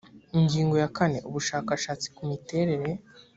ingingo ya kane ubushakashatsi ku miterere